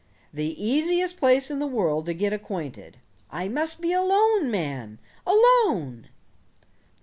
"The easiest place in the world to get acquainted. I must be alone, man! Alone!"